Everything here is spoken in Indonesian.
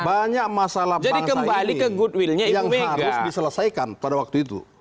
banyak masalah yang harus diselesaikan pada waktu itu